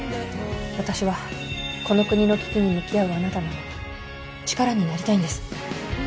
私はこの国の危機に向き合うあなたの力になりたいんです